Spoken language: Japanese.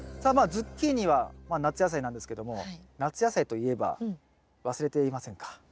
ズッキーニは夏野菜なんですけども夏野菜といえば忘れていませんか？